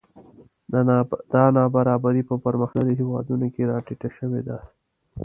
دا نابرابري په پرمختللو هېوادونو کې راټیټه شوې ده